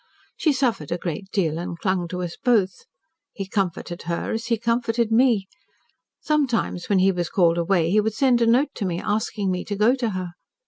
She suffered a great deal and clung to us both. He comforted her, as he comforted me. Sometimes when he was called away he would send a note to me, asking me to go to her.